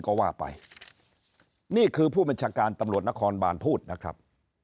ก็ว่าไปนี่คือผู้บัญชาการตำรวจนครบานพูดนะครับ